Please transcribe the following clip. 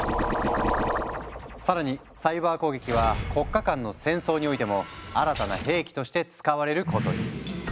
更にサイバー攻撃は国家間の戦争においても新たな兵器として使われることに。